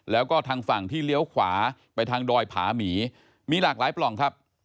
แล้วก็ทางฝั่งที่เลี้ยวขวาไปทางดอยผาหมีมีหลากหลายปล่องครับ